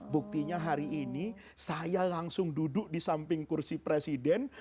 buktinya hari ini saya langsung duduk di samping kursi presiden